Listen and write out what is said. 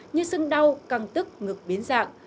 như sưng đau căng tức ngực biến dạng